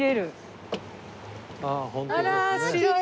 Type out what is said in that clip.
あら白い。